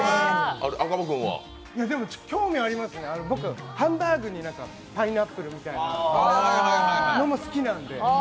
興味はあります、ハンバーグにパイナップルみたいなのも好きなんで。